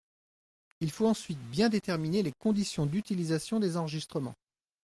Il faut ensuite bien déterminer les conditions d’utilisation des enregistrements.